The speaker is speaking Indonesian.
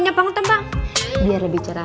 sekarang kita pakai lipstick ya